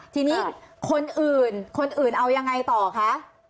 ทีนี้คนอื่นคนอื่นเอายังไงต่อคะ